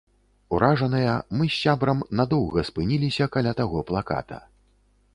Уражаныя, мы з сябрам надоўга спыніліся каля таго плаката.